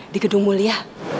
di gedung mulia